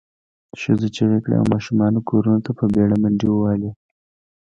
ښځو چیغې کړې او ماشومانو کورونو ته په بېړه منډې ووهلې.